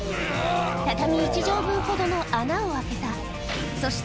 畳１畳分ほどの穴を開けた